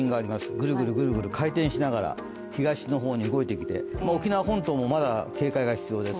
ぐるぐるぐるぐる回転しながら東の方に動いてきて、沖縄本島もまだ警戒が必要です。